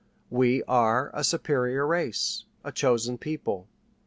We are a superior race a chosen people.